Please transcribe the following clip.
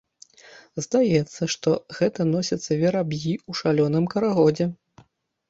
Здаецца, што гэта носяцца вераб'і ў шалёным карагодзе.